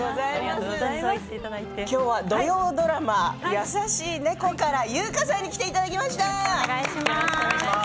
今日は土曜ドラマ「やさしい猫」から優香さんに来ていただきました。